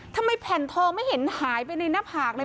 แผ่นทองไม่เห็นหายไปในหน้าผากเลย